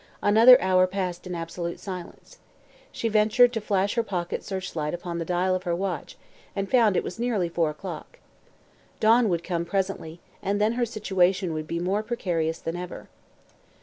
Another hour passed in absolute silence. She ventured to flash her pocket searchlight upon the dial of her watch and found it was nearly four o'clock. Dawn would come, presently, and then her situation would be more precarious than ever.